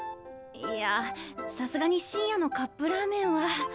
いやさすがに深夜のカップラーメンは。